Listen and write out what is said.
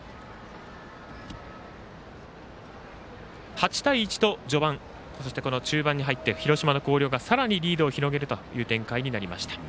８対１と序盤、中盤に入って広島の広陵が、さらにリードを広げるという展開になりました。